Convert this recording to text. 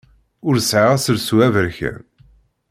Ur sɛiɣ aselsu aberkan.